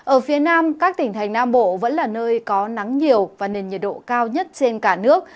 ở phía nam các tỉnh thành nam bộ vẫn là nơi có nắng nhiều và nền nhiệt độ cao nhất trên cả nước